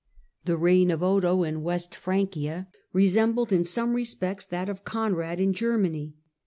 The reign of Odo in West Francia resembled in some respects that of Conrad in Germany.